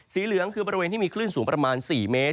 เหลืองคือบริเวณที่มีคลื่นสูงประมาณ๔เมตร